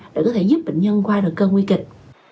để có thể giúp bệnh nhân qua được cơn nguy kịch